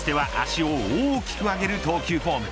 かつては、足を大きく上げる投球フォーム。